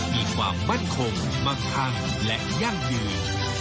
มีความมั่นคงมั่งคั่งและยั่งยืน